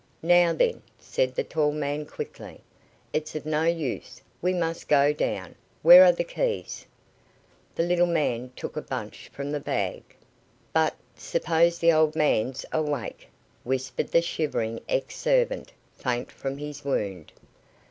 "Now then," said the tall man, quickly, "it's of no use; we must go down. Where are the keys?" The little man took a bunch from the bag. "But, suppose the old man's awake?" whispered the shivering ex servant, faint from his wound.